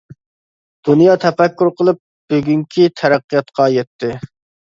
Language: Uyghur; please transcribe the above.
دۇنيا تەپەككۇر قىلىپ بۈگۈنكى تەرەققىياتقا يەتتى.